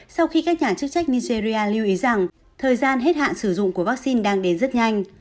sau khi các nhà chức trách nigeria lưu ý rằng thời gian hết hạn sử dụng của vaccine đang đến rất nhanh